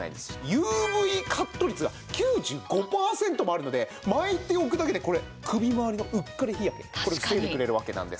ＵＶカット率が９５パーセントもあるので巻いておくだけでこれ首まわりのうっかり日焼け防いでくれるわけなんです。